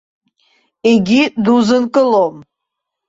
Егьи дузынкылом.